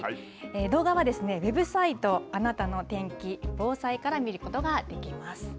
動画はウェブサイト、あなたの天気・防災から見ることができます。